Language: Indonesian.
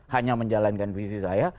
hanya menjalankan visi saya